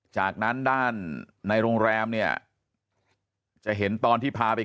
จากนั้นด้านในโรงแรมเนี่ยจะเห็นตอนที่พาไป